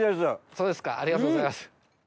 そうですかありがとうございます。